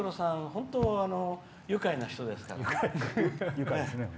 本当愉快な人ですから。